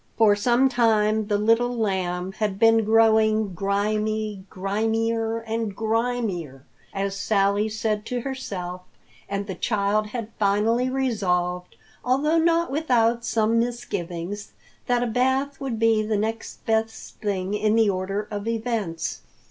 For some time the Little Lamb had been growing "grimy, grimier and grimier," as Sally said to herself, and the child had finally resolved, although not without some misgivings, that a bath would be the next best thing in the order of events.